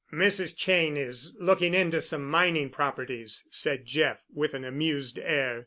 "Mrs. Cheyne is looking into some mining properties," said Jeff with an amused air.